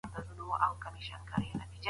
چا ويل د پنجابي د کسات هوډ به